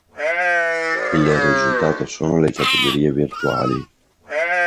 Il risultato sono le "categorie virtuali".